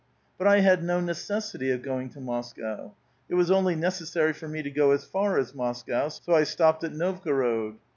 But I had no necessity' of going to Moscow ; it was only necessary for me to go as far as Moscow, so I stopped at Novgorod.